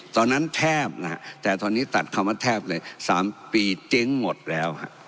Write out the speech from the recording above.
ตอนนั้นแทบนะฮะแต่ตอนนี้ตัดคำว่าแทบเลย๓ปีเจ๊งหมดแล้วฮะ